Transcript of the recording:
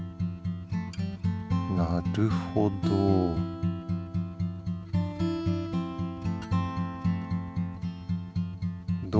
なるほど。